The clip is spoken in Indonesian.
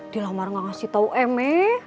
dilamar nggak ngasih tahu me